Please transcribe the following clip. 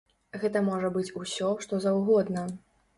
Гэта можа быць усё, што заўгодна.